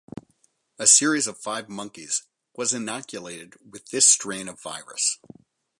A series of five monkeys was inoculated with this strain of virus.